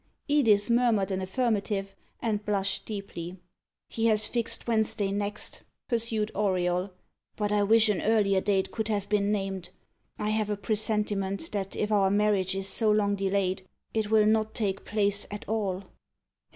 Edith murmured an affirmative, and blushed deeply. "He has fixed Wednesday next," pursued Auriol; "but I wish an earlier day could have been named. I have a presentiment that if our marriage is so long delayed, it will not take place at all."